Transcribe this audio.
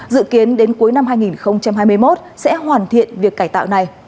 dự kiến đến cuối năm hai nghìn hai mươi một sẽ hoàn thiện việc cải tạo này